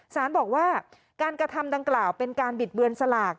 สารบอกว่าการกระทำดังกล่าวเป็นการบิดเบือนสลาก